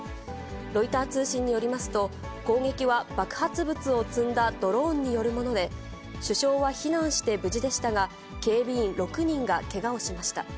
ロイター通信によりますと、攻撃は爆発物を積んだドローンによるもので、首相は避難して無事でしたが、警備員６人がけがをしました。